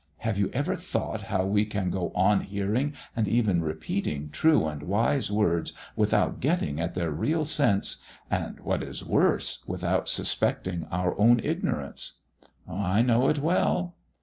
Have you ever thought how we can go on hearing and even repeating true and wise words without getting at their real sense, and, what is worse, without suspecting our own ignorance?" "I know it well."